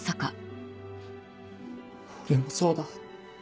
俺もそうだ。